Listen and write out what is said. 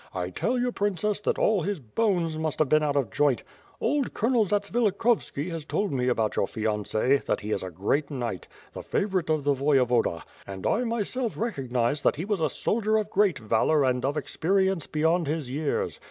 1 tell you. Princess, that all his bonee must have been out of joint. Old Colonel Zats vilikhovski has told me about your fiance; that he is a great knight, the favorite of the Voyevoda; and I myself recognized that he was a soldier of great valor and of experience beyond his years.